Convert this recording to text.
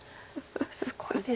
すごいですね。